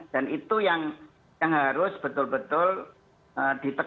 dan itu yang harus betul betul ditutup